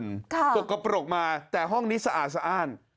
สกปรกมาแต่ห้องนี้สะอาดสะอ้าน